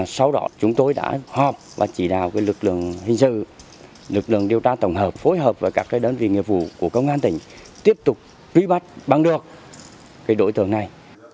sau đó chúng tôi đã họp và chỉ đào lực lượng hình sự lực lượng điều tra tổng hợp phối hợp với các đơn vị nghiệp vụ của công an tỉnh tiếp tục truy bắt bằng được đối tượng này